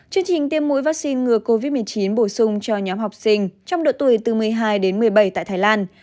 chương trình tiêm mũi vaccine ngừa covid một mươi chín bổ sung cho nhóm học sinh trong độ tuổi từ một mươi hai đến một mươi bảy tại thái lan